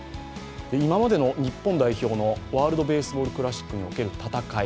今までの日本代表のワールドベースボールクラシックにおける戦い。